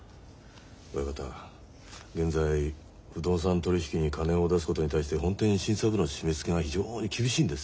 親方現在不動産取り引きに金を出すことに対して本店審査部の締めつけが非常に厳しいんです。